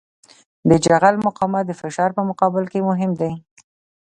د جغل مقاومت د فشار په مقابل کې مهم دی